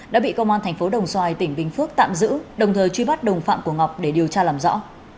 đã bị công an thành phố đồng xoài tỉnh bình phước tạm giữ đồng thời truy bắt đồng phạm của ngọc để điều tra làm rõ